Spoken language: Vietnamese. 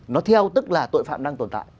nó theo tức là tội phạm đang tồn tại